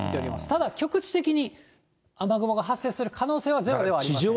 ただ局地的に雨雲が発生する可能性はゼロではありません。